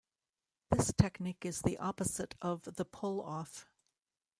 This technique is the opposite of the pull-off.